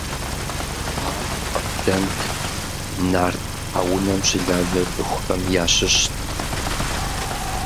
Ар къардэнт, нарт тхьэунэм щылажьэ цӀыхухэм ящыщт.